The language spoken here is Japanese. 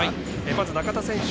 まず中田選手。